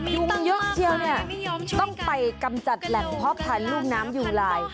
ยุงเยอะเชียวเนี่ยต้องไปกำจัดแหล่งเพาะพันธุ์ลูกน้ำยุงลาย